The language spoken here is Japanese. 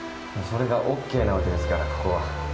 それがオッケーなわけですからここは。